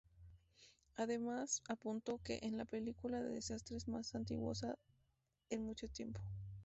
Además apuntó que: “Es la película de desastres más angustiosa en mucho tiempo...